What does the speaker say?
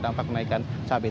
dan terdapat kenaikan cabai